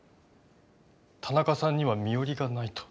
田中さんには身寄りがないと。